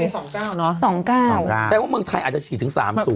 สองเก้าเนอะสองเก้าสองเก้าแปลว่าเมืองไทยอาจจะฉีดถึงสามสูง